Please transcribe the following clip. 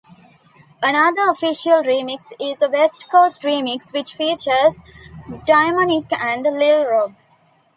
Another official remix is a West Coast remix which features Diamonique and Lil Rob.